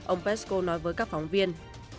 ông peskov nói với các phóng viên